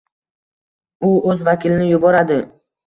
U o'z vakilini yuboradi